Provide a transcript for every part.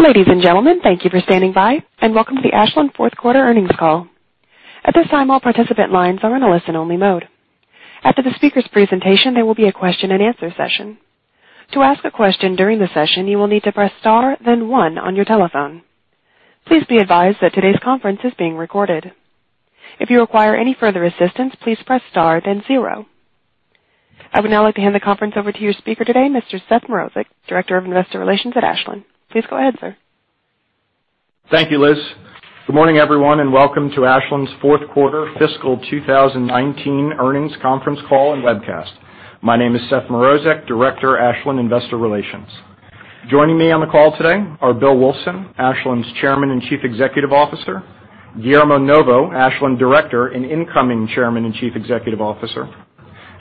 Ladies and gentlemen, thank you for standing by, and welcome to the Ashland fourth quarter earnings call. At this time, all participant lines are in a listen-only mode. After the speakers' presentation, there will be a question-and-answer session. To ask a question during the session, you will need to press star then one on your telephone. Please be advised that today's conference is being recorded. If you require any further assistance, please press star then zero. I would now like to hand the conference over to your speaker today, Mr. Seth Mrozek, Director of Investor Relations at Ashland. Please go ahead, sir. Thank you, Liz. Good morning, everyone, and welcome to Ashland's fourth quarter fiscal 2019 earnings conference call and webcast. My name is Seth Mrozek, Director, Ashland Investor Relations. Joining me on the call today are Bill Wulfsohn, Ashland's Chairman and Chief Executive Officer, Guillermo Novo, Ashland Director and Incoming Chairman and Chief Executive Officer,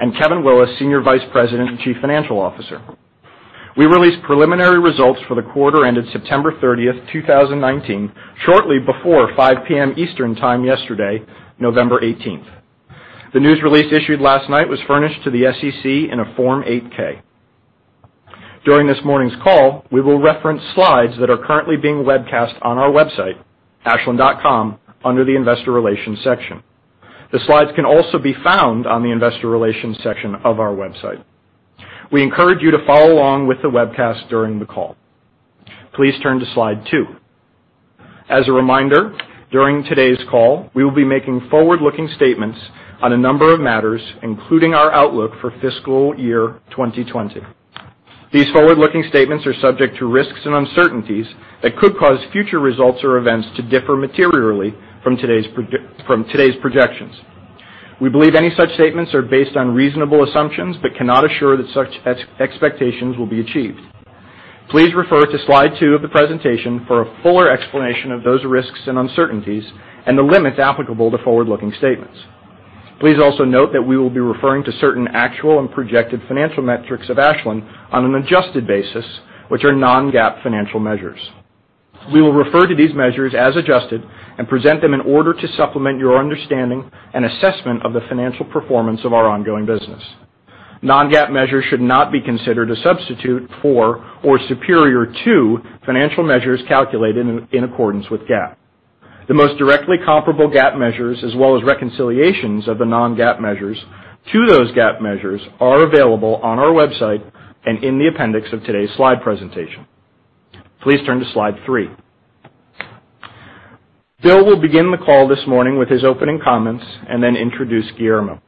and Kevin Willis, Senior Vice President and Chief Financial Officer. We released preliminary results for the quarter ended September 30, 2019, shortly before 5:00 P.M. Eastern Time yesterday, November 18. The news release issued last night was furnished to the SEC in a Form 8-K. During this morning's call, we will reference slides that are currently being webcast on our website, ashland.com, under the investor relations section. The slides can also be found on the investor relations section of our website. We encourage you to follow along with the webcast during the call. Please turn to Slide two. As a reminder, during today's call, we will be making forward-looking statements on a number of matters, including our outlook for fiscal year 2020. These forward-looking statements are subject to risks and uncertainties that could cause future results or events to differ materially from today's projections. We believe any such statements are based on reasonable assumptions but cannot assure that such expectations will be achieved. Please refer to Slide two of the presentation for a fuller explanation of those risks and uncertainties and the limits applicable to forward-looking statements. Please also note that we will be referring to certain actual and projected financial metrics of Ashland on an adjusted basis, which are non-GAAP financial measures. We will refer to these measures as adjusted and present them in order to supplement your understanding and assessment of the financial performance of our ongoing business. Non-GAAP measures should not be considered a substitute for or superior to financial measures calculated in accordance with GAAP. The most directly comparable GAAP measures, as well as reconciliations of the non-GAAP measures to those GAAP measures, are available on our website and in the appendix of today's slide presentation. Please turn to Slide three. Bill will begin the call this morning with his opening comments and then introduce Guillermo.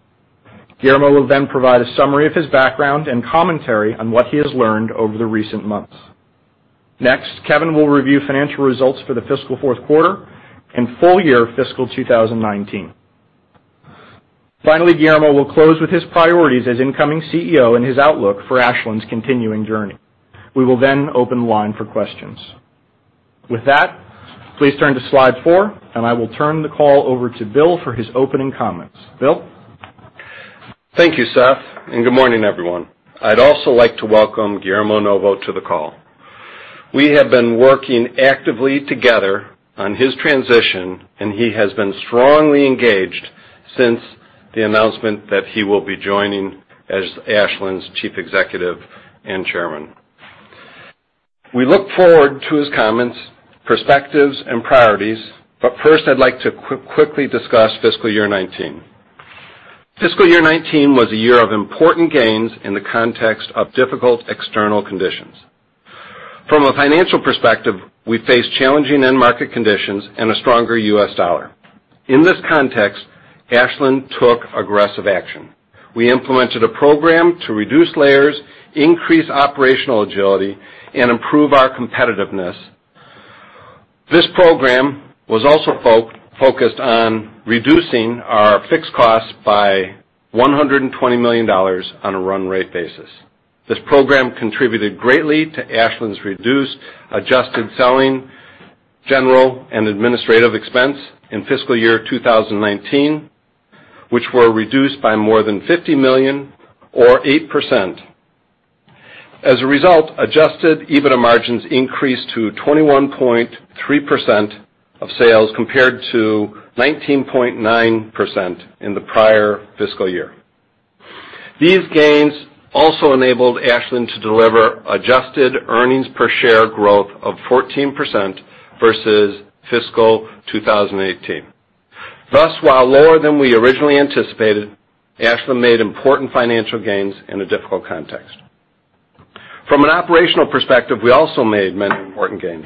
Guillermo will then provide a summary of his background and commentary on what he has learned over the recent months. Kevin will review financial results for the fiscal fourth quarter and full year fiscal 2019. Guillermo will close with his priorities as incoming CEO and his outlook for Ashland's continuing journey. We will then open the line for questions. With that, please turn to Slide four, and I will turn the call over to Bill for his opening comments. Bill? Thank you, Seth. Good morning, everyone. I'd also like to welcome Guillermo Novo to the call. We have been working actively together on his transition, and he has been strongly engaged since the announcement that he will be joining as Ashland's Chief Executive and Chairman. We look forward to his comments, perspectives, and priorities. First, I'd like to quickly discuss fiscal year 2019. Fiscal year 2019 was a year of important gains in the context of difficult external conditions. From a financial perspective, we faced challenging end market conditions and a stronger U.S. dollar. In this context, Ashland took aggressive action. We implemented a program to reduce layers, increase operational agility, and improve our competitiveness. This program was also focused on reducing our fixed costs by $120 million on a run rate basis. This program contributed greatly to Ashland's reduced adjusted selling, general, and administrative expense in fiscal year 2019, which were reduced by more than $50 million or 8%. As a result, adjusted EBITDA margins increased to 21.3% of sales compared to 19.9% in the prior fiscal year. These gains also enabled Ashland to deliver adjusted earnings per share growth of 14% versus fiscal 2018. Thus, while lower than we originally anticipated, Ashland made important financial gains in a difficult context. From an operational perspective, we also made many important gains.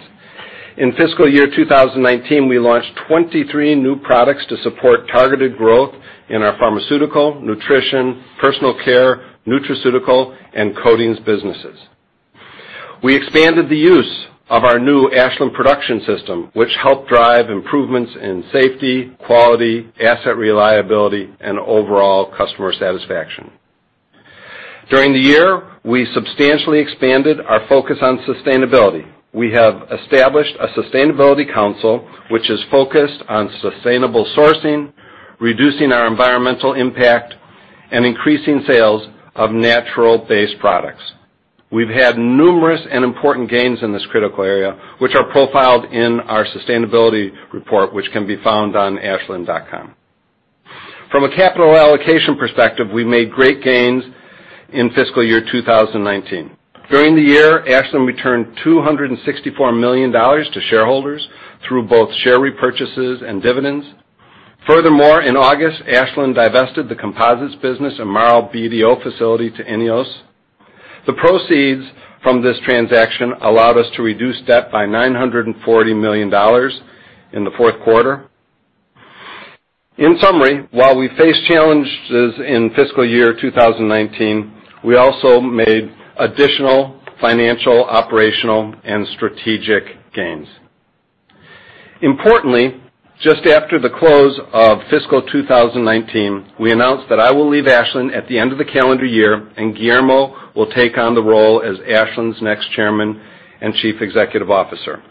In fiscal year 2019, we launched 23 new products to support targeted growth in our pharmaceutical, nutrition, personal care, nutraceutical, and coatings businesses. We expanded the use of our new Ashland Production System, which helped drive improvements in safety, quality, asset reliability, and overall customer satisfaction. During the year, we substantially expanded our focus on sustainability. We have established a sustainability council, which is focused on sustainable sourcing, reducing our environmental impact, and increasing sales of natural-based products. We've had numerous and important gains in this critical area, which are profiled in our sustainability report, which can be found on ashland.com. From a capital allocation perspective, we made great gains in fiscal year 2019. During the year, Ashland returned $264 million to shareholders through both share repurchases and dividends. Furthermore, in August, Ashland divested the Composites business and Marl BDO facility to INEOS. The proceeds from this transaction allowed us to reduce debt by $940 million in the fourth quarter. In summary, while we faced challenges in fiscal year 2019, we also made additional financial, operational, and strategic gains. Importantly, just after the close of fiscal 2019, we announced that I will leave Ashland at the end of the calendar year, and Guillermo will take on the role as Ashland's next Chairman and Chief Executive Officer.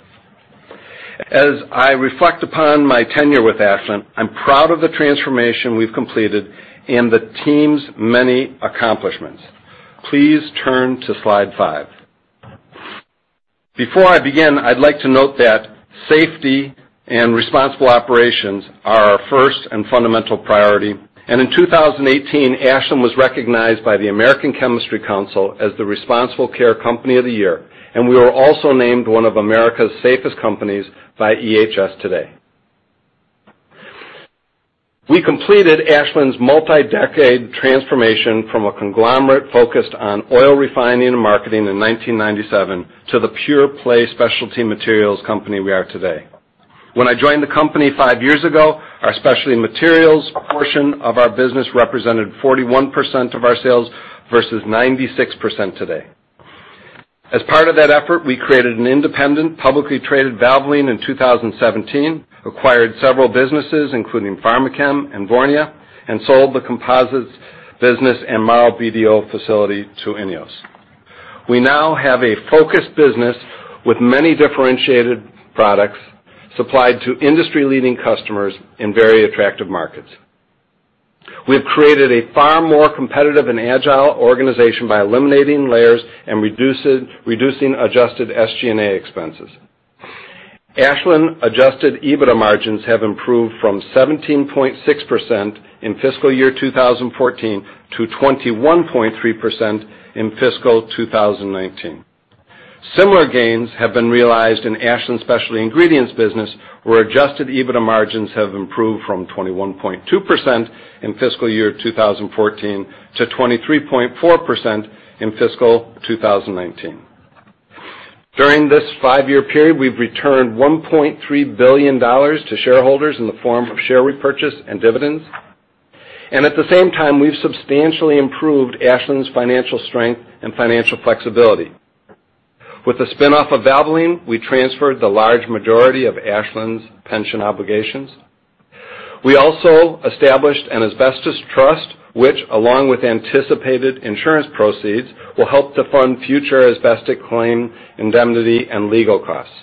As I reflect upon my tenure with Ashland, I'm proud of the transformation we've completed and the team's many accomplishments. Please turn to Slide five. Before I begin, I'd like to note that safety and responsible operations are our first and fundamental priority. In 2018, Ashland was recognized by the American Chemistry Council as the Responsible Care Company of the Year, and we were also named one of America's Safest Companies by EHS Today. We completed Ashland's multi-decade transformation from a conglomerate focused on oil refining and marketing in 1997 to the pure play specialty materials company we are today. When I joined the company five years ago, our specialty materials portion of our business represented 41% of our sales versus 96% today. As part of that effort, we created an independent, publicly traded Valvoline in 2017, acquired several businesses, including Pharmachem and Vornia, and sold the composites business and Marl BDO facility to INEOS. We now have a focused business with many differentiated products supplied to industry-leading customers in very attractive markets. We have created a far more competitive and agile organization by eliminating layers and reducing adjusted SG&A expenses. Ashland adjusted EBITDA margins have improved from 17.6% in fiscal year 2014 to 21.3% in fiscal 2019. Similar gains have been realized in Ashland's specialty ingredients business, where adjusted EBITDA margins have improved from 21.2% in fiscal year 2014 to 23.4% in fiscal 2019. During this five-year period, we've returned $1.3 billion to shareholders in the form of share repurchase and dividends. At the same time, we've substantially improved Ashland's financial strength and financial flexibility. With the spin-off of Valvoline, we transferred the large majority of Ashland's pension obligations. We also established an asbestos trust, which, along with anticipated insurance proceeds, will help to fund future asbestos claim indemnity and legal costs.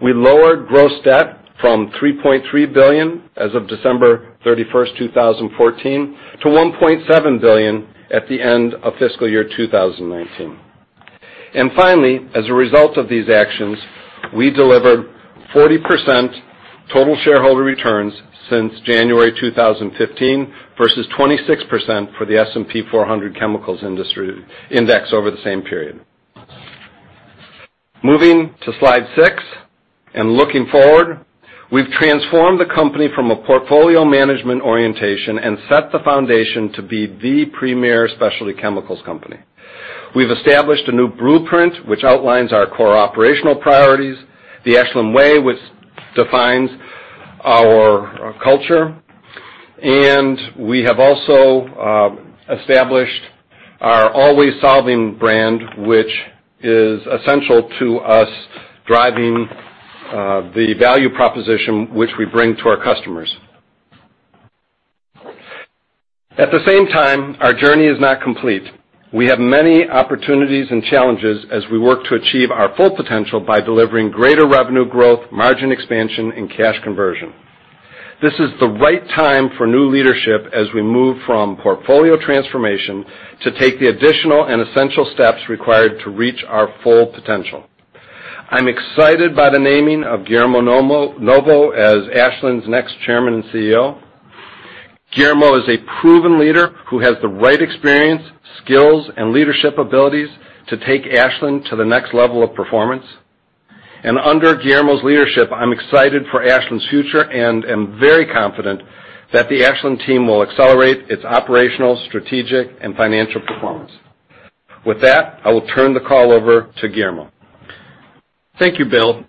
We lowered gross debt from $3.3 billion as of December 31st, 2014, to $1.7 billion at the end of fiscal year 2019. Finally, as a result of these actions, we delivered 40% total shareholder returns since January 2015 versus 26% for the S&P 400 Chemicals Index over the same period. Moving to Slide Six and looking forward, we've transformed the company from a portfolio management orientation and set the foundation to be the premier specialty chemicals company. We've established a new blueprint, which outlines our core operational priorities, The Ashland Way, which defines our culture. We have also established our Always Solving brand, which is essential to us driving the value proposition which we bring to our customers. At the same time, our journey is not complete. We have many opportunities and challenges as we work to achieve our full potential by delivering greater revenue growth, margin expansion, and cash conversion. This is the right time for new leadership as we move from portfolio transformation to take the additional and essential steps required to reach our full potential. I'm excited by the naming of Guillermo Novo as Ashland's next Chairman and CEO. Guillermo is a proven leader who has the right experience, skills, and leadership abilities to take Ashland to the next level of performance. Under Guillermo's leadership, I'm excited for Ashland's future and am very confident that the Ashland team will accelerate its operational, strategic, and financial performance. With that, I will turn the call over to Guillermo. Thank you, Bill.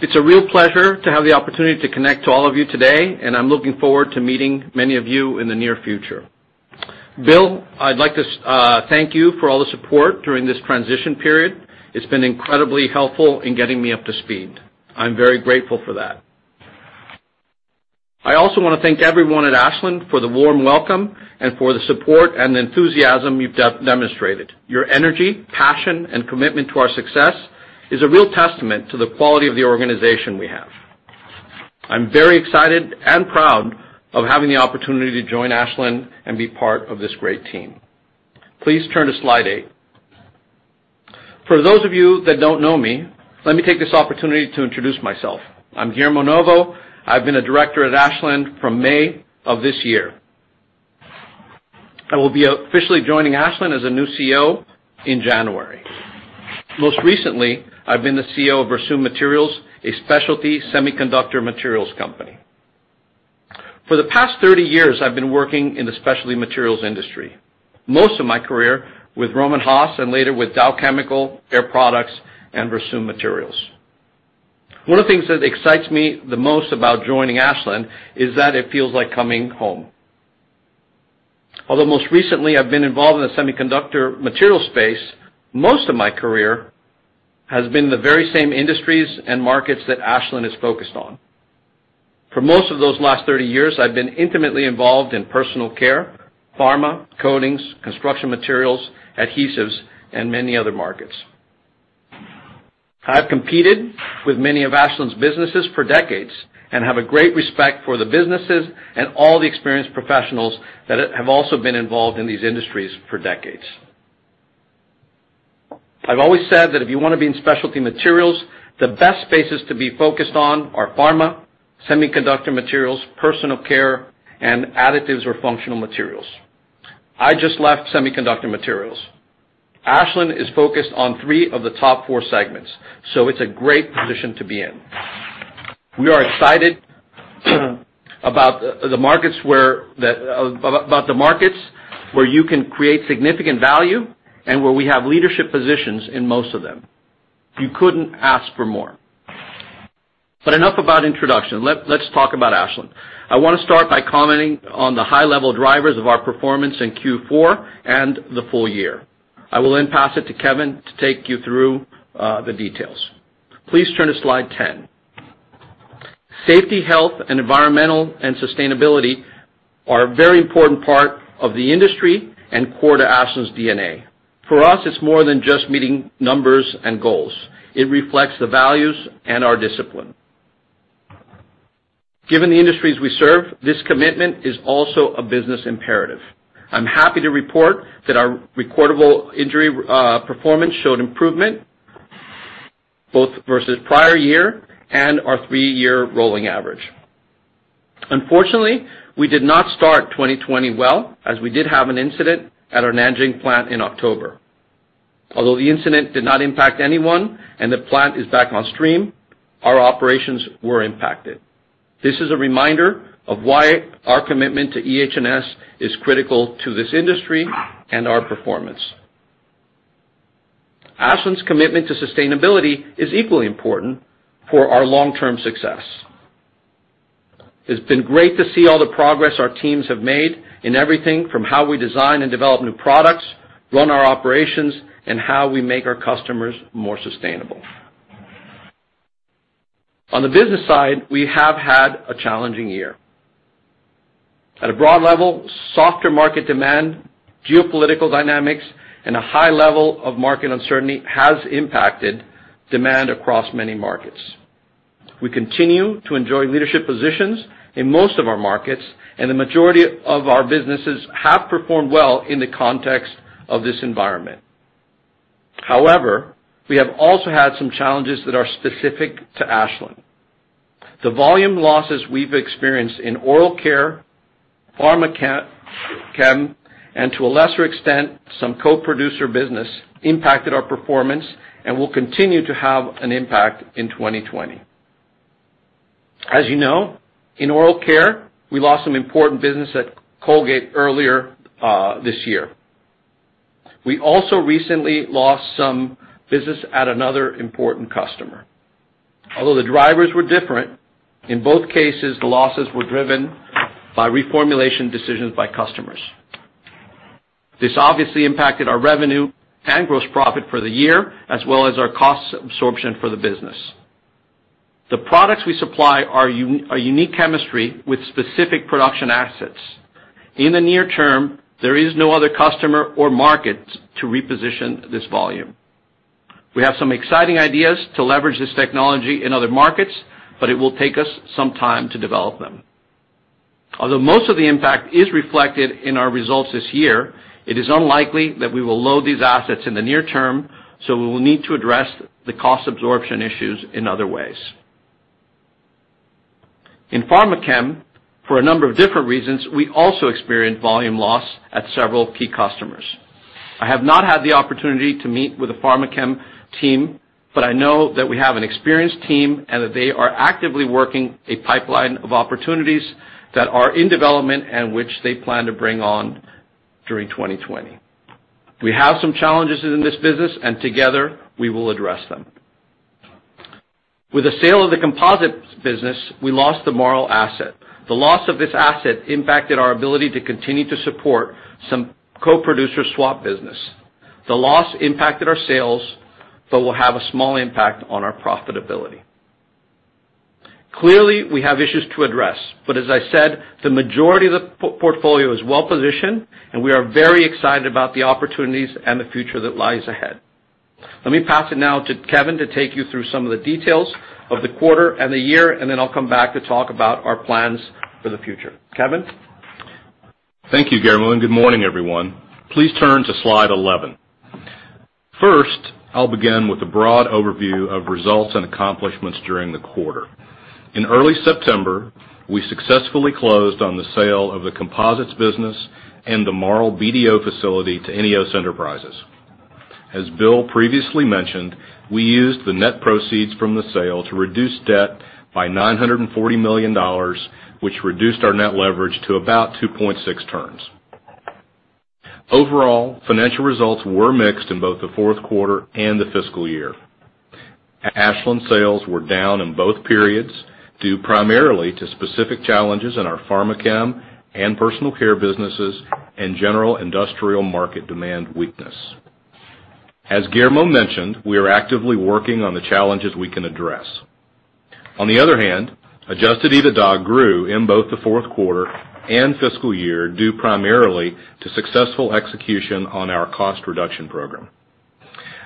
It's a real pleasure to have the opportunity to connect to all of you today, and I'm looking forward to meeting many of you in the near future. Bill, I'd like to thank you for all the support during this transition period. It's been incredibly helpful in getting me up to speed. I'm very grateful for that. I also want to thank everyone at Ashland for the warm welcome and for the support and enthusiasm you've demonstrated. Your energy, passion, and commitment to our success is a real testament to the quality of the organization we have. I'm very excited and proud of having the opportunity to join Ashland and be part of this great team. Please turn to Slide Eight. For those of you that don't know me, let me take this opportunity to introduce myself. I'm Guillermo Novo. I've been a director at Ashland from May of this year. I will be officially joining Ashland as a new CEO in January. Most recently, I've been the CEO of Versum Materials, a specialty semiconductor materials company. For the past 30 years, I've been working in the specialty materials industry, most of my career with Rohm and Haas, and later with Dow Chemical, Air Products, and Versum Materials. One of the things that excites me the most about joining Ashland is that it feels like coming home. Although most recently I've been involved in the semiconductor material space, most of my career has been the very same industries and markets that Ashland is focused on. For most of those last 30 years, I've been intimately involved in personal care, pharma, coatings, construction materials, adhesives, and many other markets. I've competed with many of Ashland's businesses for decades and have a great respect for the businesses and all the experienced professionals that have also been involved in these industries for decades. I've always said that if you want to be in specialty materials, the best spaces to be focused on are pharma, semiconductor materials, personal care, and additives or functional materials. I just left semiconductor materials. Ashland is focused on three of the top four segments, so it's a great position to be in. We are excited about the markets where you can create significant value and where we have leadership positions in most of them. You couldn't ask for more. Enough about introduction. Let's talk about Ashland. I want to start by commenting on the high-level drivers of our performance in Q4 and the full year. I will pass it to Kevin to take you through the details. Please turn to slide 10. Safety, health, and environmental, and sustainability are a very important part of the industry and core to Ashland's DNA. For us, it's more than just meeting numbers and goals. It reflects the values and our discipline. Given the industries we serve, this commitment is also a business imperative. I'm happy to report that our recordable injury performance showed improvement both versus prior year and our three-year rolling average. Unfortunately, we did not start 2020 well, as we did have an incident at our Nanjing plant in October. Although the incident did not impact anyone and the plant is back on stream, our operations were impacted. This is a reminder of why our commitment to EH&S is critical to this industry and our performance. Ashland's commitment to sustainability is equally important for our long-term success. It's been great to see all the progress our teams have made in everything from how we design and develop new products, run our operations, and how we make our customers more sustainable. On the business side, we have had a challenging year. At a broad level, softer market demand, geopolitical dynamics, and a high level of market uncertainty has impacted demand across many markets. We continue to enjoy leadership positions in most of our markets, and the majority of our businesses have performed well in the context of this environment. However, we have also had some challenges that are specific to Ashland. The volume losses we've experienced in oral care, Pharmachem, and to a lesser extent, some co-producer business impacted our performance and will continue to have an impact in 2020. As you know, in oral care, we lost some important business at Colgate earlier this year. We also recently lost some business at another important customer. Although the drivers were different, in both cases, the losses were driven by reformulation decisions by customers. This obviously impacted our revenue and gross profit for the year, as well as our cost absorption for the business. The products we supply are a unique chemistry with specific production assets. In the near term, there is no other customer or market to reposition this volume. We have some exciting ideas to leverage this technology in other markets, but it will take us some time to develop them. Although most of the impact is reflected in our results this year, it is unlikely that we will load these assets in the near term, so we will need to address the cost absorption issues in other ways. In Pharmachem, for a number of different reasons, we also experienced volume loss at several key customers. I have not had the opportunity to meet with the Pharmachem team, but I know that we have an experienced team and that they are actively working a pipeline of opportunities that are in development and which they plan to bring on during 2020. We have some challenges in this business, and together, we will address them. With the sale of the Composites business, we lost the Marl asset. The loss of this asset impacted our ability to continue to support some co-producer swap business. The loss impacted our sales but will have a small impact on our profitability. Clearly, we have issues to address, As I said, the majority of the portfolio is well-positioned, and we are very excited about the opportunities and the future that lies ahead. Let me pass it now to Kevin to take you through some of the details of the quarter and the year, then I'll come back to talk about our plans for the future. Kevin? Thank you, Guillermo. Good morning, everyone. Please turn to Slide 11. First, I'll begin with a broad overview of results and accomplishments during the quarter. In early September, we successfully closed on the sale of the Composites business and the Marl BDO facility to INEOS Enterprises. As Bill previously mentioned, we used the net proceeds from the sale to reduce debt by $940 million, which reduced our net leverage to about 2.6 turns. Overall, financial results were mixed in both the fourth quarter and the fiscal year. Ashland sales were down in both periods, due primarily to specific challenges in our Pharmachem and personal care businesses and general industrial market demand weakness. As Guillermo mentioned, we are actively working on the challenges we can address. On the other hand, adjusted EBITDA grew in both the fourth quarter and fiscal year, due primarily to successful execution on our cost reduction program.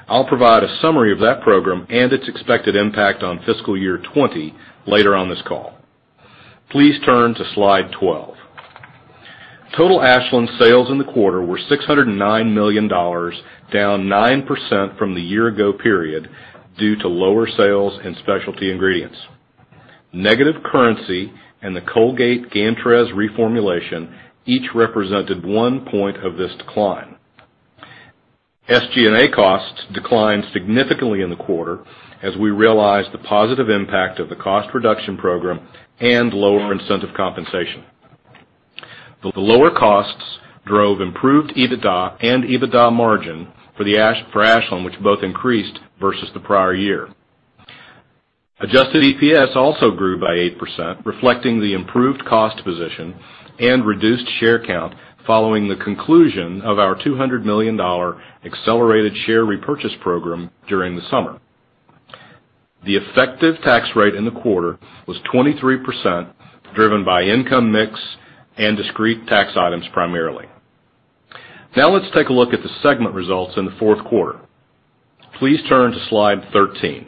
I'll provide a summary of that program and its expected impact on fiscal year 2020 later on this call. Please turn to Slide 12. Total Ashland sales in the quarter were $609 million, down 9% from the year-ago period due to lower sales and specialty ingredients. Negative currency and the Colgate Gantrez reformulation each represented one point of this decline. SG&A costs declined significantly in the quarter as we realized the positive impact of the cost reduction program and lower incentive compensation. The lower costs drove improved EBITDA and EBITDA margin for Ashland, which both increased versus the prior year. Adjusted EPS also grew by 8%, reflecting the improved cost position and reduced share count following the conclusion of our $200 million accelerated share repurchase program during the summer. The effective tax rate in the quarter was 23%, driven by income mix and discrete tax items primarily. Let's take a look at the segment results in the fourth quarter. Please turn to Slide 13.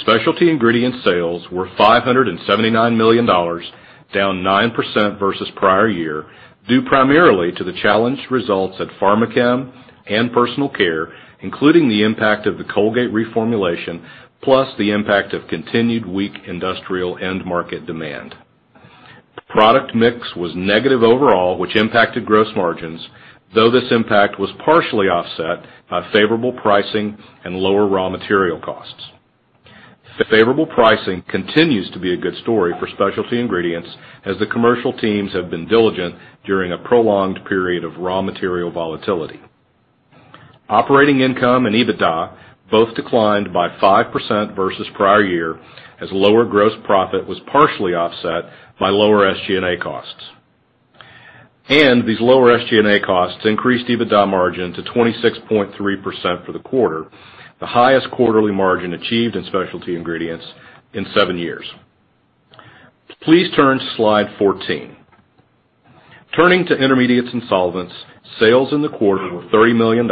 Specialty Ingredients sales were $579 million, down 9% versus prior year, due primarily to the challenged results at Pharmachem and personal care, including the impact of the Colgate reformulation, plus the impact of continued weak industrial end market demand. Product mix was negative overall, which impacted gross margins, though this impact was partially offset by favorable pricing and lower raw material costs. Favorable pricing continues to be a good story for Specialty Ingredients as the commercial teams have been diligent during a prolonged period of raw material volatility. Operating income and EBITDA both declined by 5% versus prior year, as lower gross profit was partially offset by lower SG&A costs. These lower SG&A costs increased EBITDA margin to 26.3% for the quarter, the highest quarterly margin achieved in Specialty Ingredients in seven years. Please turn to Slide 14. Turning to Intermediates and Solvents, sales in the quarter were $30 million,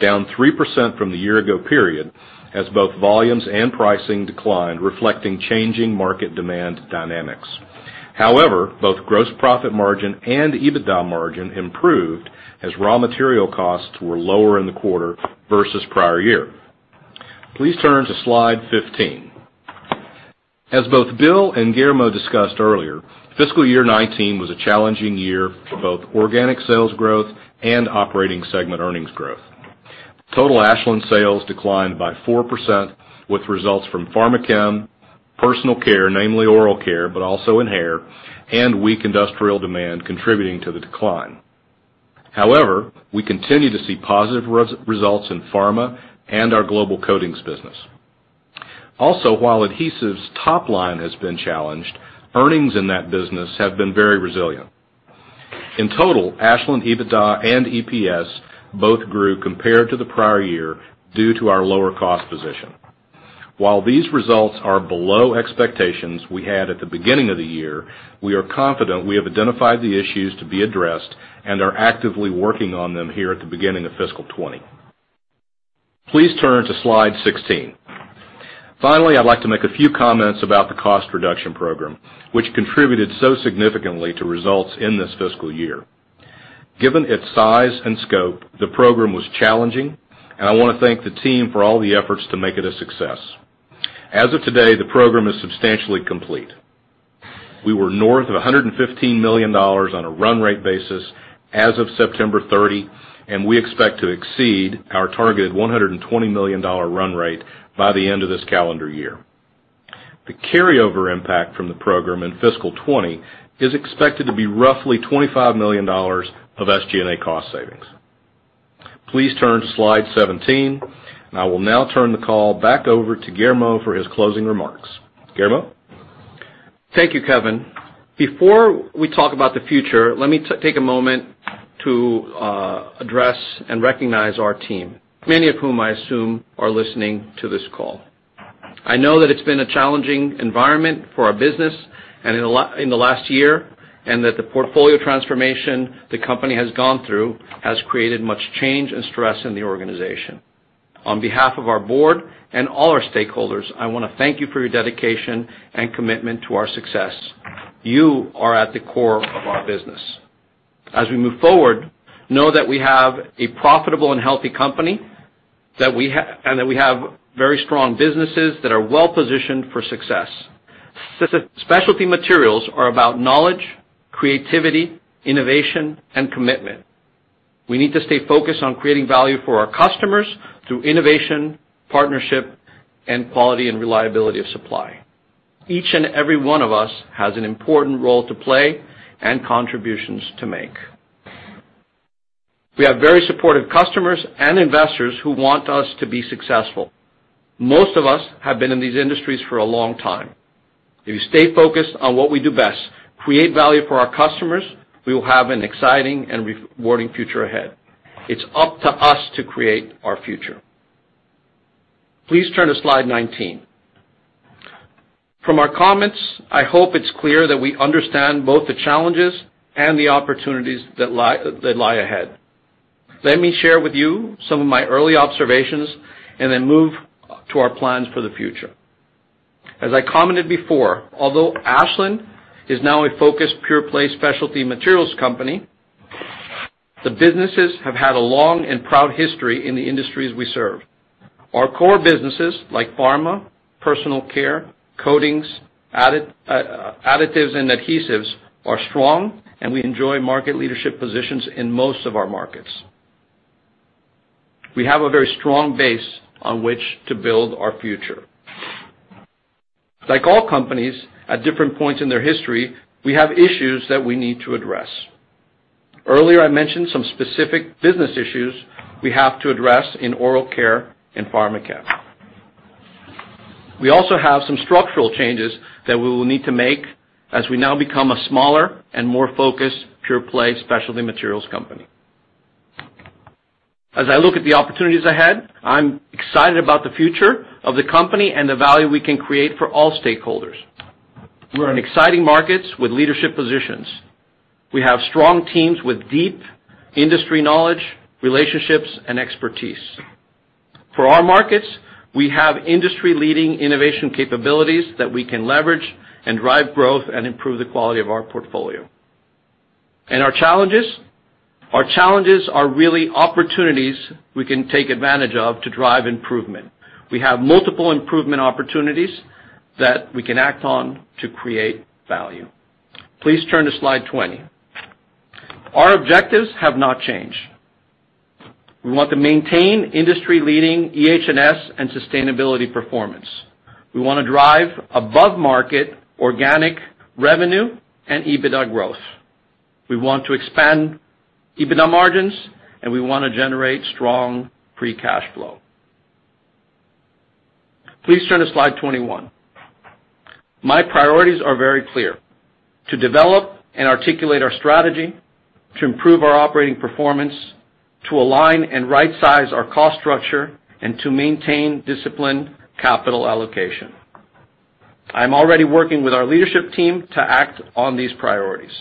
down 3% from the year-ago period as both volumes and pricing declined, reflecting changing market demand dynamics. Both gross profit margin and EBITDA margin improved as raw material costs were lower in the quarter versus prior year. Please turn to Slide 15. As both Bill Wulfsohn and Guillermo discussed earlier, fiscal year 2019 was a challenging year for both organic sales growth and operating segment earnings growth. Total Ashland sales declined by 4%, with results from Pharmachem, personal care, namely oral care, but also in hair, and weak industrial demand contributing to the decline. We continue to see positive results in pharma and our global coatings business. While adhesives' top line has been challenged, earnings in that business have been very resilient. In total, Ashland EBITDA and EPS both grew compared to the prior year due to our lower cost position. These results are below expectations we had at the beginning of the year, we are confident we have identified the issues to be addressed and are actively working on them here at the beginning of fiscal 2020. Please turn to Slide 16. I'd like to make a few comments about the cost reduction program, which contributed so significantly to results in this fiscal year. Given its size and scope, the program was challenging, and I want to thank the team for all the efforts to make it a success. As of today, the program is substantially complete. We were north of $115 million on a run rate basis as of September 30, and we expect to exceed our targeted $120 million run rate by the end of this calendar year. The carryover impact from the program in fiscal 2020 is expected to be roughly $25 million of SG&A cost savings. Please turn to Slide 17, and I will now turn the call back over to Guillermo for his closing remarks. Guillermo? Thank you, Kevin. Before we talk about the future, let me take a moment to address and recognize our team, many of whom I assume are listening to this call. I know that it's been a challenging environment for our business and in the last year, and that the portfolio transformation the company has gone through has created much change and stress in the organization. On behalf of our board and all our stakeholders, I want to thank you for your dedication and commitment to our success. You are at the core of our business. As we move forward, know that we have a profitable and healthy company, and that we have very strong businesses that are well-positioned for success. Specialty materials are about knowledge, creativity, innovation, and commitment. We need to stay focused on creating value for our customers through innovation, partnership, and quality and reliability of supply. Each and every one of us has an important role to play and contributions to make. We have very supportive customers and investors who want us to be successful. Most of us have been in these industries for a long time. If we stay focused on what we do best, create value for our customers, we will have an exciting and rewarding future ahead. It's up to us to create our future. Please turn to slide 19. From our comments, I hope it's clear that we understand both the challenges and the opportunities that lie ahead. Let me share with you some of my early observations and then move to our plans for the future. As I commented before, although Ashland is now a focused, pure-play specialty materials company, the businesses have had a long and proud history in the industries we serve. Our core businesses, like pharma, personal care, coatings, additives, and adhesives, are strong, and we enjoy market leadership positions in most of our markets. We have a very strong base on which to build our future. Like all companies at different points in their history, we have issues that we need to address. Earlier, I mentioned some specific business issues we have to address in oral care and Pharmachem. We also have some structural changes that we will need to make as we now become a smaller and more focused, pure-play specialty materials company. As I look at the opportunities ahead, I'm excited about the future of the company and the value we can create for all stakeholders. We're in exciting markets with leadership positions. We have strong teams with deep industry knowledge, relationships, and expertise. For our markets, we have industry-leading innovation capabilities that we can leverage and drive growth and improve the quality of our portfolio. Our challenges. Our challenges are really opportunities we can take advantage of to drive improvement. We have multiple improvement opportunities that we can act on to create value. Please turn to slide 20. Our objectives have not changed. We want to maintain industry-leading EH&S and sustainability performance. We want to drive above-market organic revenue and EBITDA growth. We want to expand EBITDA margins, and we want to generate strong free cash flow. Please turn to slide 21. My priorities are very clear. To develop and articulate our strategy, to improve our operating performance, to align and rightsize our cost structure, and to maintain disciplined capital allocation. I am already working with our leadership team to act on these priorities.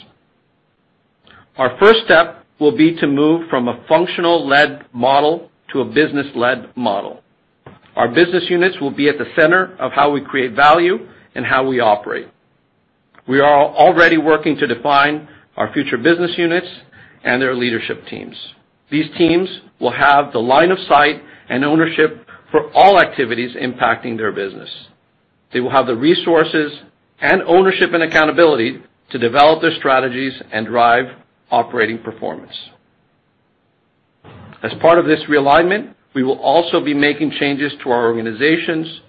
Our first step will be to move from a functional-led model to a business-led model. Our business units will be at the center of how we create value and how we operate. We are already working to define our future business units and their leadership teams. These teams will have the line of sight and ownership for all activities impacting their business. They will have the resources and ownership and accountability to develop their strategies and drive operating performance. As part of this realignment, we will also be making changes to our organizations,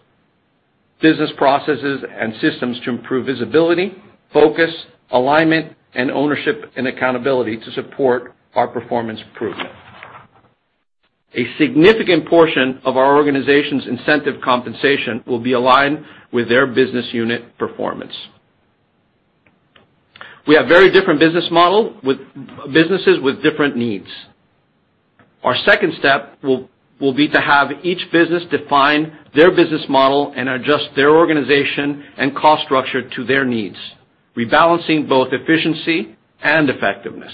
business processes, and systems to improve visibility, focus, alignment, and ownership and accountability to support our performance improvement. A significant portion of our organization's incentive compensation will be aligned with their business unit performance. We have very different businesses with different needs. Our second step will be to have each business define their business model and adjust their organization and cost structure to their needs, rebalancing both efficiency and effectiveness.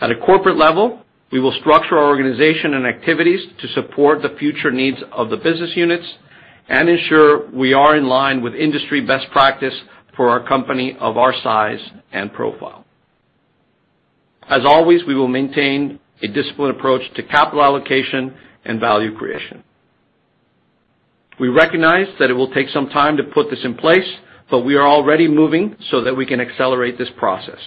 At a corporate level, we will structure our organization and activities to support the future needs of the business units and ensure we are in line with industry best practice for a company of our size and profile. As always, we will maintain a disciplined approach to capital allocation and value creation. We recognize that it will take some time to put this in place, but we are already moving so that we can accelerate this process.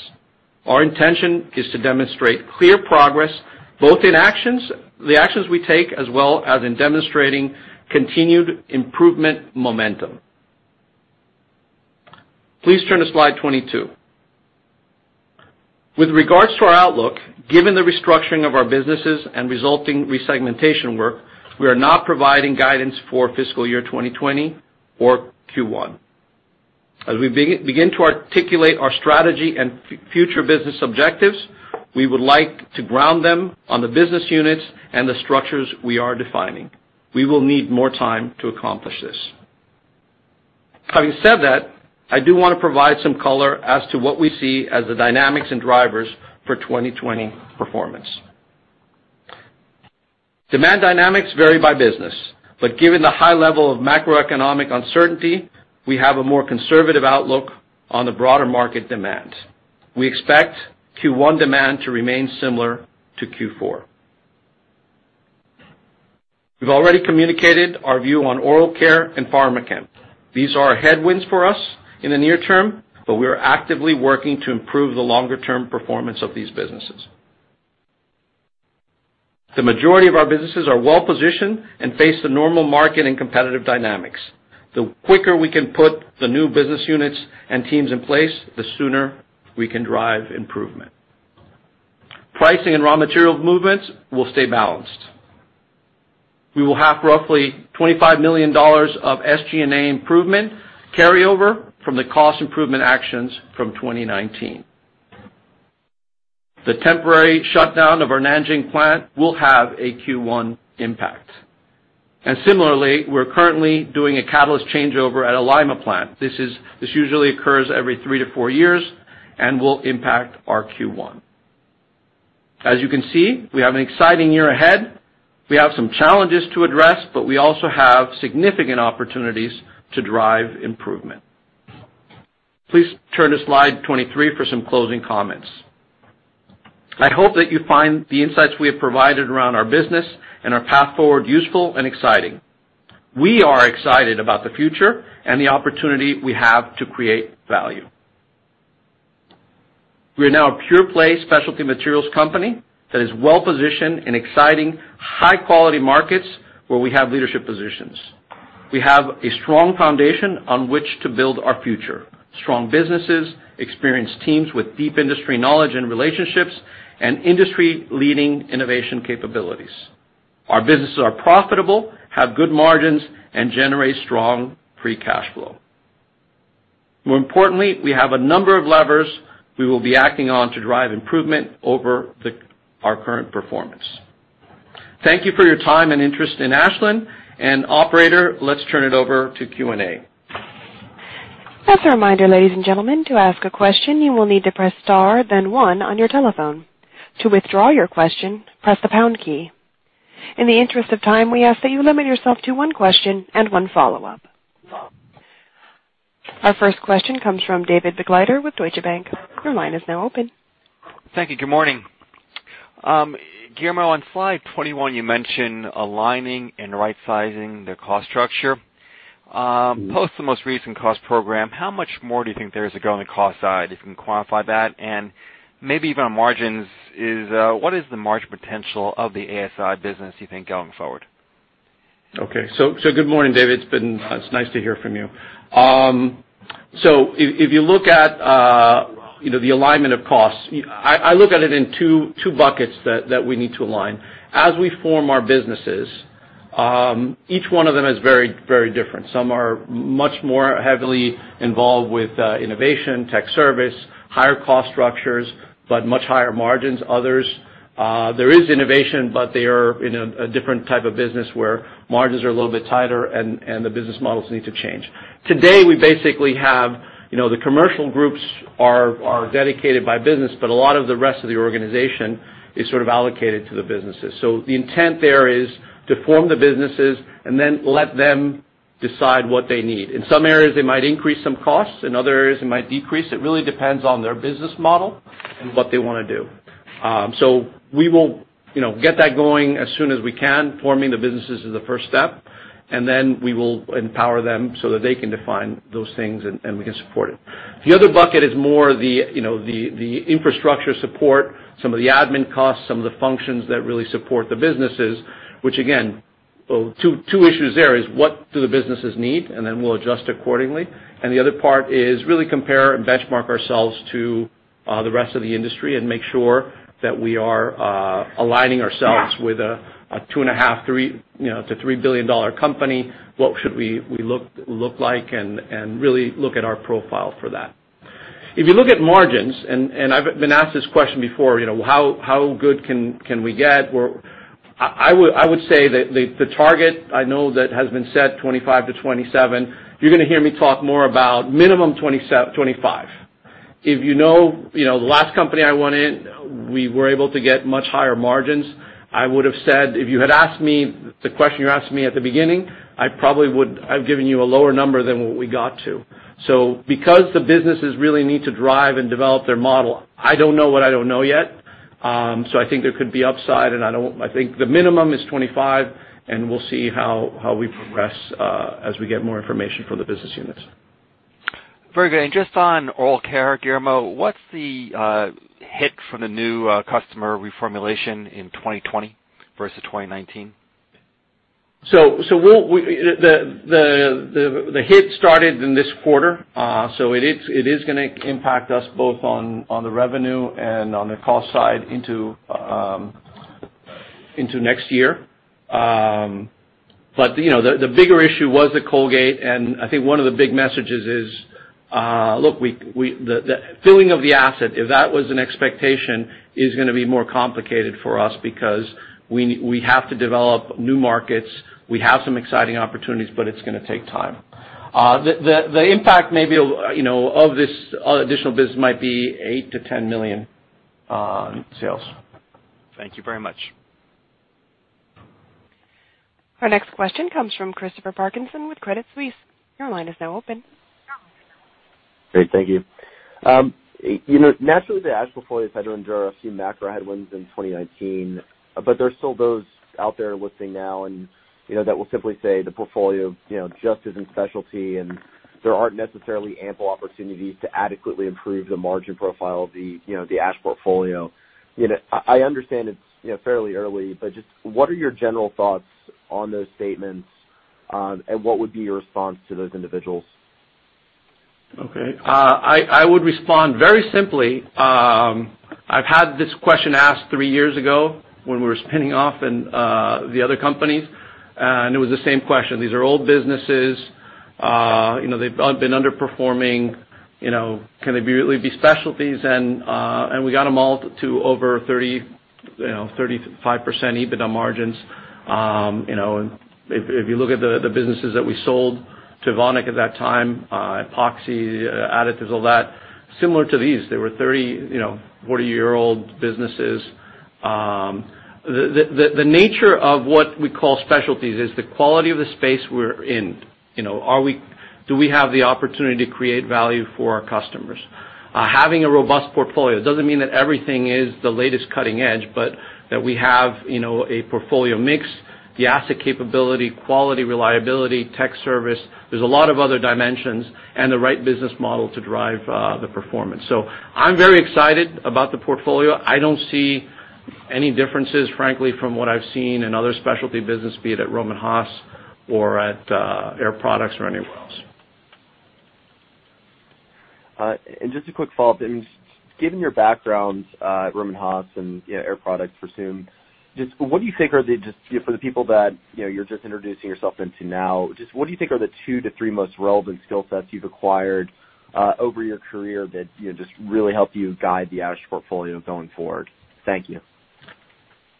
Our intention is to demonstrate clear progress, both in the actions we take as well as in demonstrating continued improvement momentum. Please turn to slide 22. With regards to our outlook, given the restructuring of our businesses and resulting resegmentation work, we are not providing guidance for fiscal year 2020 or Q1. As we begin to articulate our strategy and future business objectives, we would like to ground them on the business units and the structures we are defining. We will need more time to accomplish this. Having said that, I do want to provide some color as to what we see as the dynamics and drivers for 2020 performance. Demand dynamics vary by business, but given the high level of macroeconomic uncertainty, we have a more conservative outlook on the broader market demand. We expect Q1 demand to remain similar to Q4. We've already communicated our view on oral care and Pharmachem. These are headwinds for us in the near term, but we are actively working to improve the longer-term performance of these businesses. The majority of our businesses are well-positioned and face the normal market and competitive dynamics. The quicker we can put the new business units and teams in place, the sooner we can drive improvement. Pricing and raw material movements will stay balanced. We will have roughly $25 million of SG&A improvement carryover from the cost improvement actions from 2019. The temporary shutdown of our Nanjing plant will have a Q1 impact. Similarly, we're currently doing a catalyst changeover at a Lima plant. This usually occurs every three to four years and will impact our Q1. As you can see, we have an exciting year ahead. We have some challenges to address, but we also have significant opportunities to drive improvement. Please turn to slide 23 for some closing comments. I hope that you find the insights we have provided around our business and our path forward useful and exciting. We are excited about the future and the opportunity we have to create value. We are now a pure-play specialty materials company that is well-positioned in exciting, high-quality markets where we have leadership positions. We have a strong foundation on which to build our future. Strong businesses, experienced teams with deep industry knowledge and relationships, and industry-leading innovation capabilities. Our businesses are profitable, have good margins, and generate strong free cash flow. More importantly, we have a number of levers we will be acting on to drive improvement over our current performance. Thank you for your time and interest in Ashland, and operator, let's turn it over to Q&A. As a reminder, ladies and gentlemen, to ask a question, you will need to press star then one on your telephone. To withdraw your question, press the pound key. In the interest of time, we ask that you limit yourself to one question and one follow-up. Our first question comes from David Begleiter with Deutsche Bank. Your line is now open. Thank you. Good morning. Guillermo, on slide 21, you mention aligning and right-sizing the cost structure. Post the most recent cost program, how much more do you think there is to go on the cost side, if you can quantify that? Maybe even on margins, what is the margin potential of the ASI business, you think, going forward? Okay. Good morning, David. It's nice to hear from you. If you look at the alignment of costs, I look at it in two buckets that we need to align. As we form our businesses, each one of them is very different. Some are much more heavily involved with innovation, tech service, higher cost structures, but much higher margins. Others, there is innovation, but they are in a different type of business where margins are a little bit tighter and the business models need to change. Today, we basically have the commercial groups are dedicated by business, but a lot of the rest of the organization is sort of allocated to the businesses. The intent there is to form the businesses and then let them decide what they need. In some areas, they might increase some costs, in other areas, they might decrease. It really depends on their business model and what they want to do. We will get that going as soon as we can. Forming the businesses is the first step, and then we will empower them so that they can define those things and we can support it. The other bucket is more the infrastructure support, some of the admin costs, some of the functions that really support the businesses, which again, two issues there is what do the businesses need, and then we'll adjust accordingly. The other part is really compare and benchmark ourselves to the rest of the industry and make sure that we are aligning ourselves with a $2.5 billion-$3 billion company. What should we look like and really look at our profile for that. If you look at margins, and I've been asked this question before, how good can we get? I would say that the target I know that has been set 25%-27%. You're going to hear me talk more about minimum 25%. If you know the last company I went in, we were able to get much higher margins. I would have said, if you had asked me the question you asked me at the beginning, I probably would have given you a lower number than what we got to. Because the businesses really need to drive and develop their model, I don't know what I don't know yet. I think there could be upside, and I think the minimum is 25%, and we'll see how we progress as we get more information from the business units. Very good. Just on oral care, Guillermo, what's the hit from the new customer reformulation in 2020 versus 2019? The hit started in this quarter. It is going to impact us both on the revenue and on the cost side into next year. The bigger issue was the Colgate, and I think one of the big messages is, look, the filling of the asset, if that was an expectation, is going to be more complicated for us because we have to develop new markets. We have some exciting opportunities, but it's going to take time. The impact maybe of this additional business might be $8 million-$10 million in sales. Thank you very much. Our next question comes from Christopher Parkinson with Credit Suisse. Your line is now open. Great. Thank you. Naturally, the Ashland portfolio is under a few macro headwinds in 2019, but there's still those out there listening now, and that will simply say the portfolio just is in specialty, and there aren't necessarily ample opportunities to adequately improve the margin profile of the Ashland portfolio. I understand it's fairly early, but just what are your general thoughts on those statements, and what would be your response to those individuals? I would respond very simply. I've had this question asked three years ago when we were spinning off in the other companies, and it was the same question. These are old businesses. They've been underperforming. Can they really be specialties? We got them all to over 35% EBITDA margins. If you look at the businesses that we sold to Evonik at that time, epoxy, additives, all that, similar to these, they were 30, 40-year-old businesses. The nature of what we call specialties is the quality of the space we're in. Do we have the opportunity to create value for our customers? Having a robust portfolio doesn't mean that everything is the latest cutting edge, that we have a portfolio mix, the asset capability, quality, reliability, tech service. There's a lot of other dimensions and the right business model to drive the performance. I'm very excited about the portfolio. I don't see any differences, frankly, from what I've seen in other specialty business, be it at Rohm and Haas or at Air Products or anywhere else. Just a quick follow-up. Given your background at Rohm and Haas and Air Products, I assume, just for the people that you're just introducing yourself into now, just what do you think are the two to three most relevant skill sets you've acquired over your career that just really help you guide the Ashland portfolio going forward? Thank you.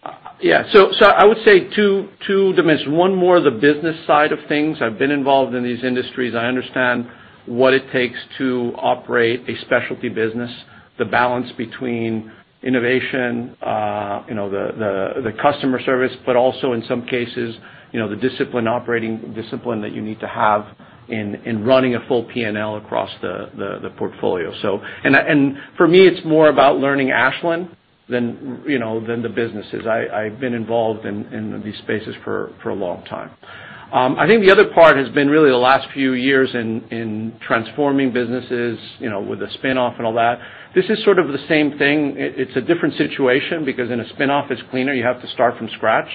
I would say two dimensions. One more the business side of things. I've been involved in these industries. I understand what it takes to operate a specialty business, the balance between innovation, the customer service, but also in some cases, the discipline, operating discipline that you need to have in running a full P&L across the portfolio. For me, it's more about learning Ashland than the businesses. I've been involved in these spaces for a long time. I think the other part has been really the last few years in transforming businesses, with the spinoff and all that. This is sort of the same thing. It's a different situation because in a spinoff, it's cleaner. You have to start from scratch.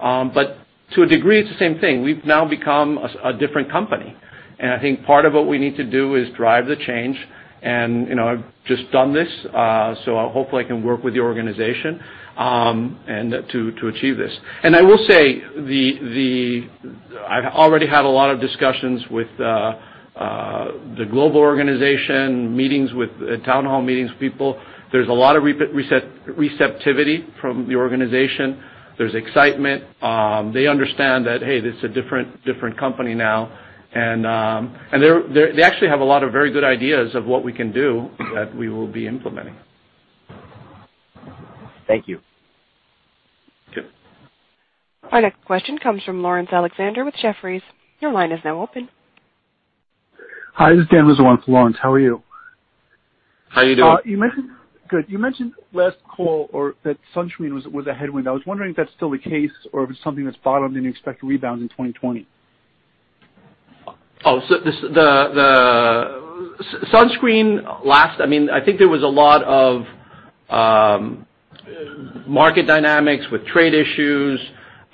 To a degree, it's the same thing. We've now become a different company, and I think part of what we need to do is drive the change, and I've just done this, so I hope I can work with the organization to achieve this. I will say, I've already had a lot of discussions with the global organization, town hall meetings with people. There's a lot of receptivity from the organization. There's excitement. They understand that, hey, this is a different company now. They actually have a lot of very good ideas of what we can do that we will be implementing. Thank you. Sure. Our next question comes from Laurence Alexander with Jefferies. Your line is now open. Hi, this is Dan Bazant for Laurence. How are you? How are you doing? Good. You mentioned last call that sunscreen was a headwind. I was wondering if that's still the case or if it's something that's bottomed and you expect a rebound in 2020? The sunscreen I think there was a lot of market dynamics with trade issues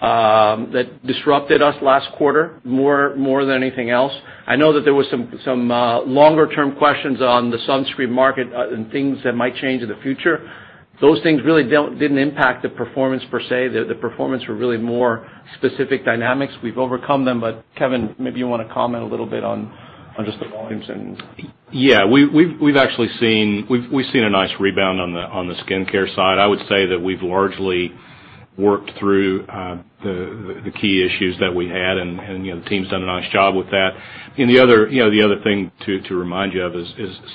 that disrupted us last quarter more than anything else. I know that there were some longer-term questions on the sunscreen market and things that might change in the future. Those things really didn't impact the performance per se. The performance were really more specific dynamics. We've overcome them, Kevin, maybe you want to comment a little bit on just the volumes and. We've seen a nice rebound on the skincare side. I would say that we've largely worked through the key issues that we had, and the team's done a nice job with that. The other thing to remind you of is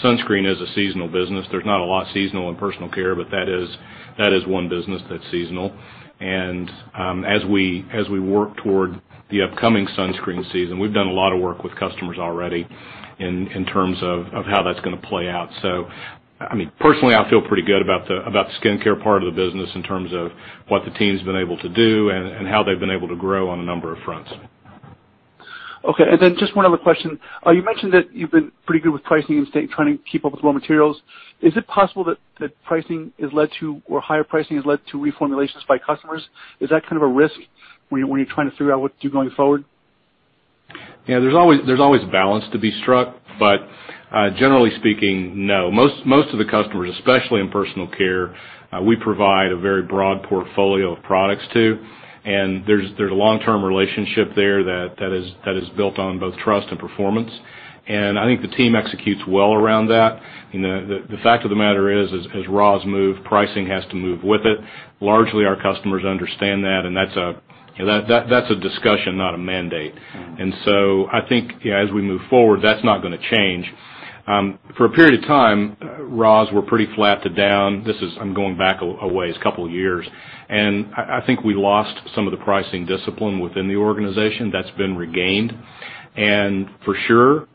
sunscreen is a seasonal business. There's not a lot seasonal in personal care, but that is one business that's seasonal. As we work toward the upcoming sunscreen season, we've done a lot of work with customers already in terms of how that's going to play out. Personally, I feel pretty good about the skincare part of the business in terms of what the team's been able to do and how they've been able to grow on a number of fronts. Okay, just one other question. You mentioned that you've been pretty good with pricing and trying to keep up with raw materials. Is it possible that pricing has led to, or higher pricing has led to reformulations by customers? Is that kind of a risk when you're trying to figure out what to do going forward? Yeah, there's always balance to be struck, but generally speaking, no. Most of the customers, especially in personal care, we provide a very broad portfolio of products to, and there's a long-term relationship there that is built on both trust and performance. I think the team executes well around that. The fact of the matter is, as raws move, pricing has to move with it. Largely, our customers understand that, and that's a discussion, not a mandate. I think as we move forward, that's not going to change. For a period of time, raws were pretty flat to down. I'm going back a ways, a couple of years. I think we lost some of the pricing discipline within the organization. That's been regained. For sure,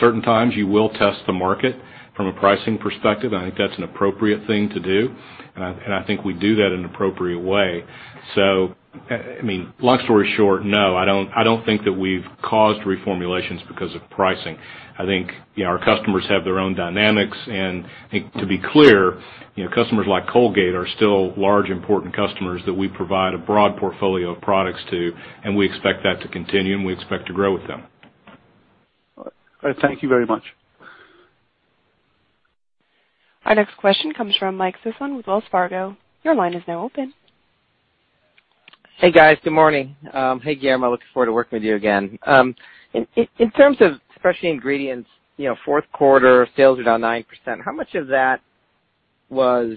certain times you will test the market from a pricing perspective, and I think that's an appropriate thing to do, and I think we do that in an appropriate way. Long story short, no, I don't think that we've caused reformulations because of pricing. I think our customers have their own dynamics. To be clear, customers like Colgate are still large, important customers that we provide a broad portfolio of products to, and we expect that to continue, and we expect to grow with them. All right. Thank you very much. Our next question comes from Mike Sison with Wells Fargo. Your line is now open. Hey, guys. Good morning. Hey, Guillermo. Looking forward to working with you again. In terms of specialty ingredients, fourth quarter sales were down 9%. How much of that was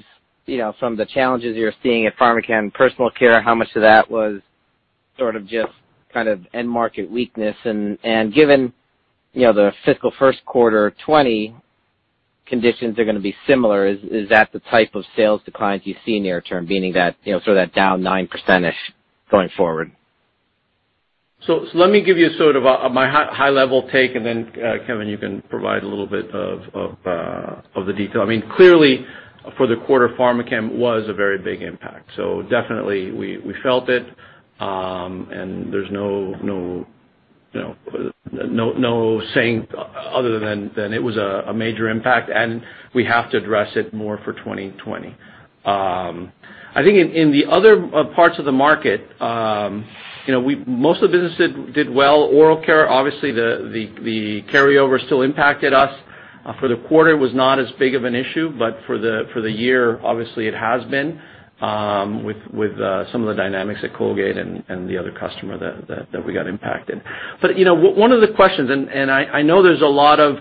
from the challenges you're seeing at Pharmachem personal care? How much of that was just end market weakness? Given the fiscal first quarter 2020 conditions are going to be similar, is that the type of sales declines you see near term, meaning that down 9%-ish going forward? Let me give you my high-level take, and then, Kevin, you can provide a little bit of the detail. Clearly, for the quarter, Pharmachem was a very big impact. Definitely we felt it, and there's no saying other than it was a major impact, and we have to address it more for 2020. I think in the other parts of the market, most of the business did well. Oral care, obviously, the carryover still impacted us. For the quarter, it was not as big of an issue, but for the year, obviously it has been with some of the dynamics at Colgate and the other customer that we got impacted. One of the questions, and I know there's a lot of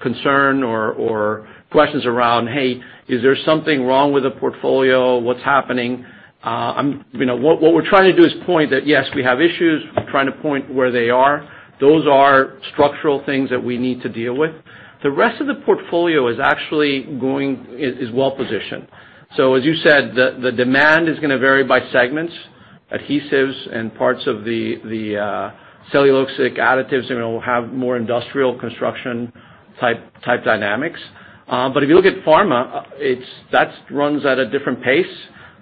concern or questions around, "Hey, is there something wrong with the portfolio? What's happening?" What we're trying to do is point that, yes, we have issues. We're trying to point where they are. Those are structural things that we need to deal with. The rest of the portfolio is well-positioned. As you said, the demand is going to vary by segments. Adhesives and parts of the cellulosic additives will have more industrial construction-type dynamics. If you look at pharma, that runs at a different pace.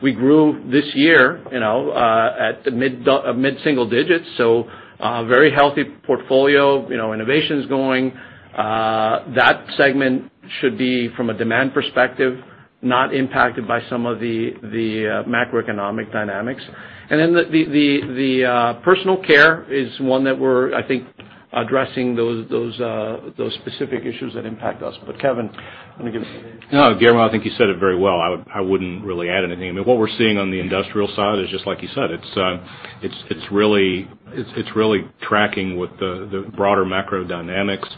We grew this year at mid-single digits, so very healthy portfolio. Innovation's going. That segment should be, from a demand perspective, not impacted by some of the macroeconomic dynamics. The personal care is one that we're, I think, addressing those specific issues that impact us. Kevin, let me give it to you. No, Guillermo, I think you said it very well. I wouldn't really add anything. What we're seeing on the industrial side is just like you said. It's really tracking with the broader macro dynamics.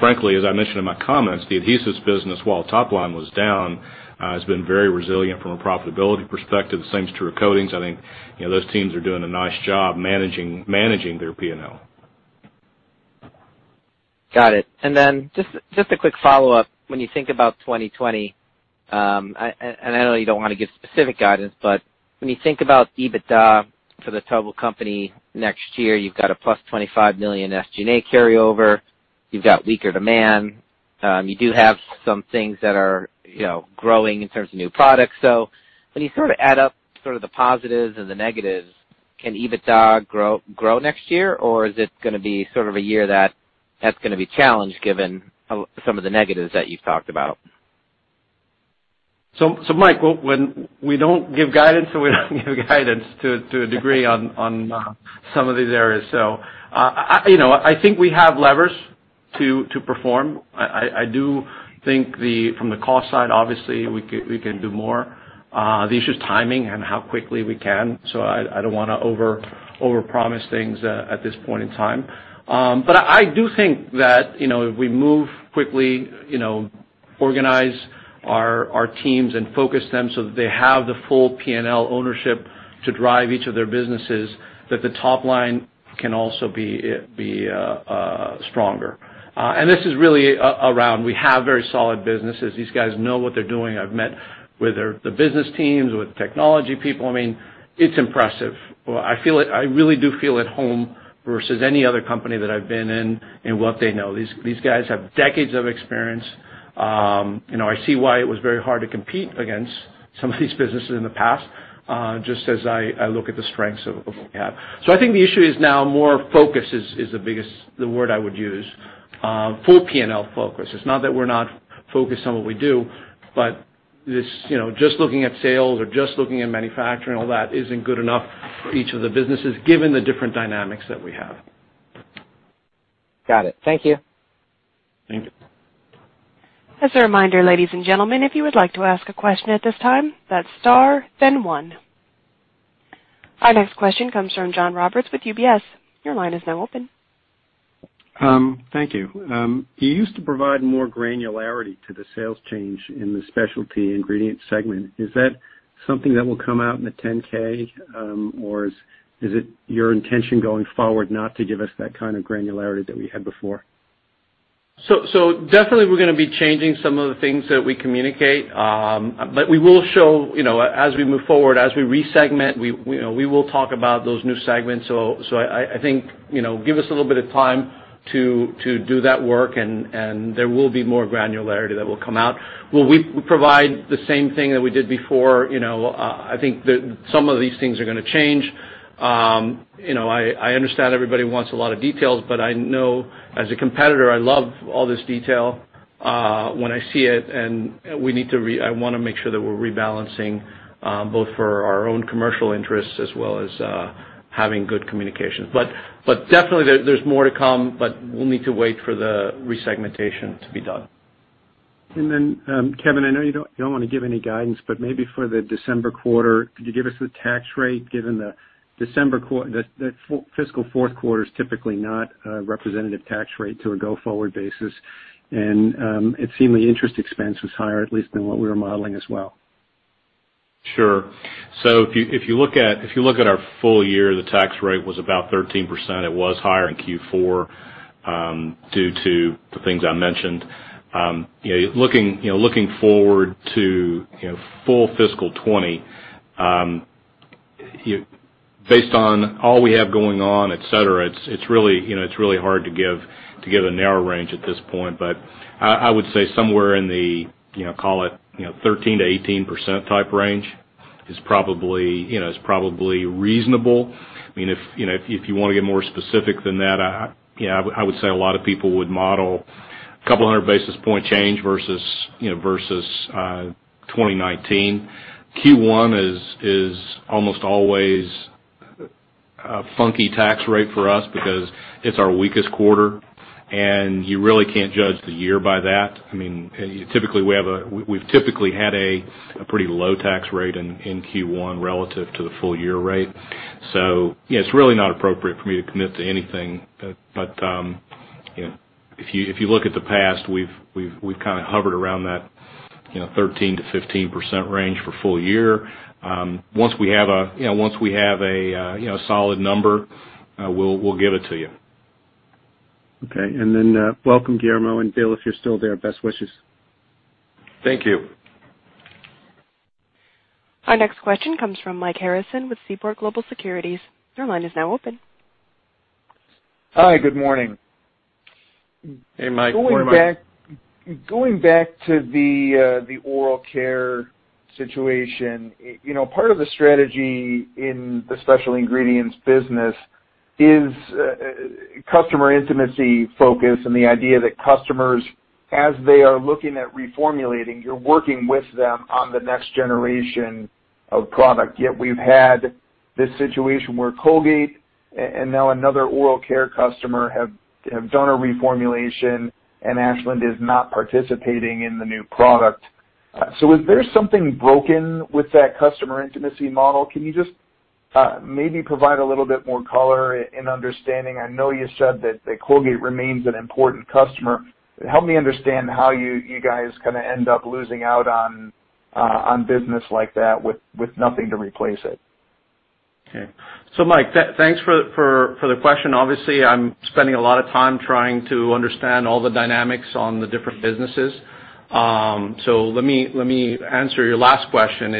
Frankly, as I mentioned in my comments, the adhesives business, while top line was down, has been very resilient from a profitability perspective. The same is true of coatings. I think those teams are doing a nice job managing their P&L. Got it. Then just a quick follow-up. When you think about 2020, and I know you don't want to give specific guidance, but when you think about EBITDA for the total company next year, you've got a +$25 million SG&A carryover. You've got weaker demand. You do have some things that are growing in terms of new products. When you add up the positives and the negatives, can EBITDA grow next year, or is it going to be a year that's going to be challenged given some of the negatives that you've talked about? Mike, when we don't give guidance, we don't give guidance to a degree on some of these areas. I think we have levers to perform. I do think from the cost side, obviously, we can do more. The issue is timing and how quickly we can. I don't want to overpromise things at this point in time. I do think that if we move quickly, organize our teams and focus them so that they have the full P&L ownership to drive each of their businesses, that the top line can also be stronger. This is really around, we have very solid businesses. These guys know what they're doing. I've met with the business teams, with the technology people. It's impressive. I really do feel at home versus any other company that I've been in what they know. These guys have decades of experience. I see why it was very hard to compete against some of these businesses in the past, just as I look at the strengths of what we have. I think the issue is now more focus is the biggest, the word I would use. Full P&L focus. It's not that we're not focused on what we do. Just looking at sales or just looking at manufacturing, all that isn't good enough for each of the businesses, given the different dynamics that we have. Got it. Thank you. Thank you. As a reminder, ladies and gentlemen, if you would like to ask a question at this time, that's star then one. Our next question comes from John Roberts with UBS. Your line is now open. Thank you. You used to provide more granularity to the sales change in the specialty ingredient segment. Is that something that will come out in the 10-K, or is it your intention going forward not to give us that kind of granularity that we had before? Definitely we're going to be changing some of the things that we communicate. We will show as we move forward, as we re-segment, we will talk about those new segments. I think give us a little bit of time to do that work, and there will be more granularity that will come out. Will we provide the same thing that we did before? I think that some of these things are going to change. I understand everybody wants a lot of details, but I know as a competitor, I love all this detail when I see it, and I want to make sure that we're rebalancing, both for our own commercial interests as well as having good communication. Definitely there's more to come, but we'll need to wait for the re-segmentation to be done. Then, Kevin, I know you don't want to give any guidance, but maybe for the December quarter, could you give us the tax rate given the fiscal fourth quarter is typically not a representative tax rate to a go-forward basis. It seemed the interest expense was higher, at least than what we were modeling as well. Sure. If you look at our full year, the tax rate was about 13%. It was higher in Q4 due to the things I mentioned. Looking forward to full fiscal 2020, based on all we have going on, et cetera, it's really hard to give a narrow range at this point. I would say somewhere in the, call it 13%-18% type range is probably reasonable. If you want to get more specific than that, I would say a lot of people would model a 200 basis point change versus 2019. Q1 is almost always a funky tax rate for us because it's our weakest quarter, and you really can't judge the year by that. We've typically had a pretty low tax rate in Q1 relative to the full-year rate. It's really not appropriate for me to commit to anything. If you look at the past, we've kind of hovered around that 13%-15% range for full year. Once we have a solid number, we'll give it to you. Okay. Welcome, Guillermo. Bill, if you're still there, best wishes. Thank you. Our next question comes from Mike Harrison with Seaport Global Securities. Your line is now open. Hi, good morning. Hey, Mike. Good morning. Going back to the oral care situation. Part of the strategy in the special ingredients business is customer intimacy focus and the idea that customers, as they are looking at reformulating, you're working with them on the next generation of product. Yet we've had this situation where Colgate and now another oral care customer have done a reformulation, and Ashland is not participating in the new product. Is there something broken with that customer intimacy model? Can you just maybe provide a little bit more color and understanding? I know you said that Colgate remains an important customer. Help me understand how you guys end up losing out on business like that with nothing to replace it. Okay. Mike, thanks for the question. Obviously, I'm spending a lot of time trying to understand all the dynamics on the different businesses. Let me answer your last question.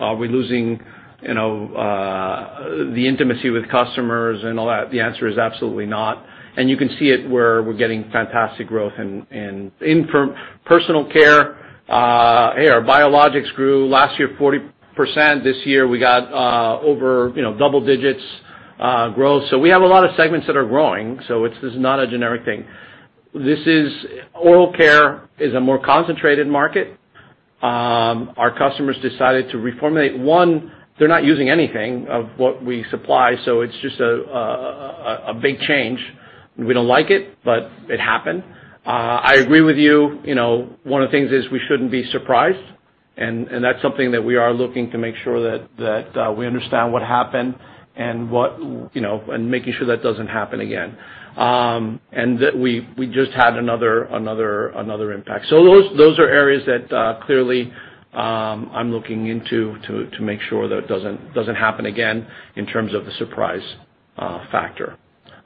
Are we losing the intimacy with customers and all that? The answer is absolutely not. You can see it where we're getting fantastic growth in personal care. Hey, our biologics grew last year 40%. This year, we got over double digits growth. We have a lot of segments that are growing. It is not a generic thing. Oral care is a more concentrated market. Our customers decided to reformulate. One, they're not using anything of what we supply, so it's just a big change. We don't like it, but it happened. I agree with you. One of the things is we shouldn't be surprised, and that's something that we are looking to make sure that we understand what happened and making sure that doesn't happen again. That we just had another impact. Those are areas that clearly I'm looking into to make sure that it doesn't happen again in terms of the surprise factor.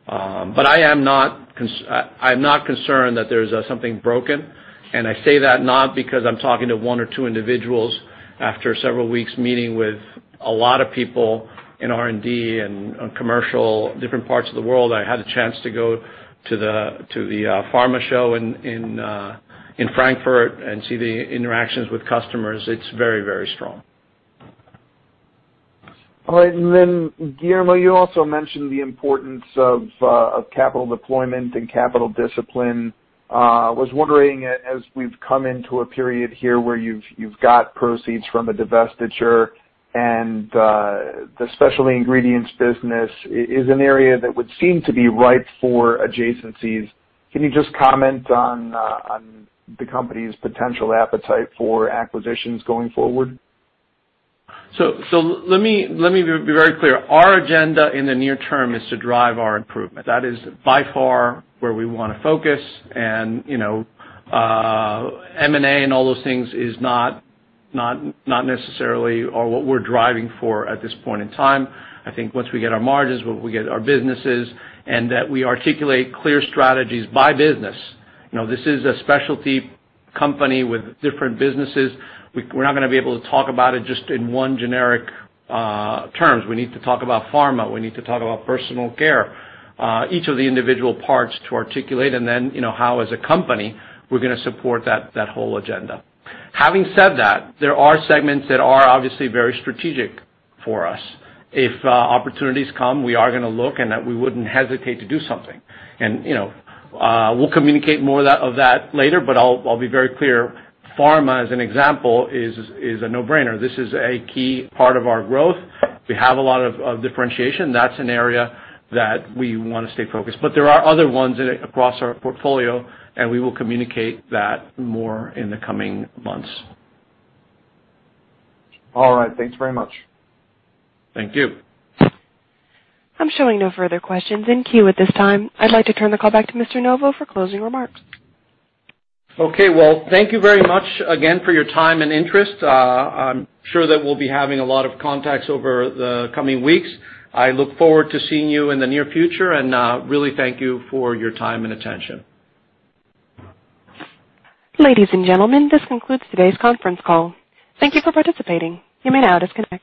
I'm not concerned that there's something broken. I say that not because I'm talking to one or two individuals after several weeks meeting with a lot of people in R&D and commercial, different parts of the world. I had a chance to go to the pharma show in Frankfurt and see the interactions with customers. It's very, very strong. All right. Guillermo, you also mentioned the importance of capital deployment and capital discipline. I was wondering, as we've come into a period here where you've got proceeds from a divestiture and the specialty ingredients business is an area that would seem to be ripe for adjacencies. Can you just comment on the company's potential appetite for acquisitions going forward? Let me be very clear. Our agenda in the near term is to drive our improvement. That is by far where we want to focus and, M&A and all those things is not necessarily what we're driving for at this point in time. I think once we get our margins, we get our businesses, and that we articulate clear strategies by business. This is a specialty company with different businesses. We're not going to be able to talk about it just in one generic terms. We need to talk about Pharma. We need to talk about Personal Care, each of the individual parts to articulate, and then, how as a company, we're going to support that whole agenda. Having said that, there are segments that are obviously very strategic for us. If opportunities come, we are going to look and that we wouldn't hesitate to do something. We'll communicate more of that later, but I'll be very clear. Pharma, as an example, is a no-brainer. This is a key part of our growth. We have a lot of differentiation. That's an area that we want to stay focused. There are other ones across our portfolio, and we will communicate that more in the coming months. All right. Thanks very much. Thank you. I'm showing no further questions in queue at this time. I'd like to turn the call back to Mr. Novo for closing remarks. Okay. Well, thank you very much again for your time and interest. I'm sure that we'll be having a lot of contacts over the coming weeks. I look forward to seeing you in the near future, and really thank you for your time and attention. Ladies and gentlemen, this concludes today's conference call. Thank you for participating. You may now disconnect.